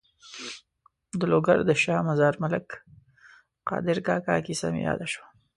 د لوګر د شا مزار ملک قادر کاکا کیسه مې یاده شوه.